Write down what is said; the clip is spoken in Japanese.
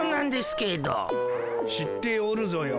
知っておるぞよ。